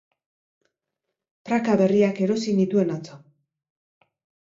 Praka berriak erosi nituen atzo